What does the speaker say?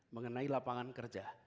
mengenai lapangan kerja